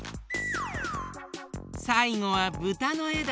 さいごはブタのえだよ。